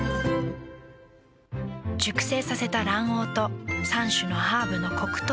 熟成させた卵黄と３種のハーブのコクとうま味。